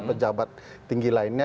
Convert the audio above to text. pejabat tinggi lainnya